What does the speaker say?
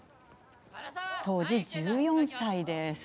当時１４歳です。